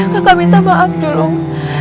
kakak minta maaf julung